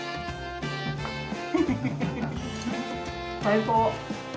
最高！